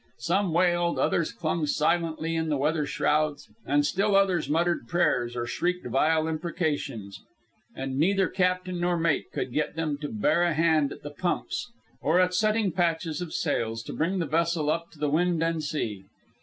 Some wailed, others clung silently in the weather shrouds, and still others muttered prayers or shrieked vile imprecations; and neither captain nor mate could get them to bear a hand at the pumps or at setting patches of sails to bring the vessel up to the wind and sea.